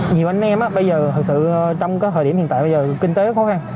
nhiều anh em bây giờ thực sự trong thời điểm hiện tại bây giờ kinh tế rất khó khăn